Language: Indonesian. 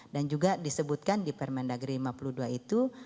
dan juga disebutkan di permendagri no lima puluh dua itu